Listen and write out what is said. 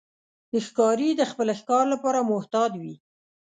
ښکاري د خپل ښکار لپاره محتاط وي.